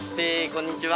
こんにちは。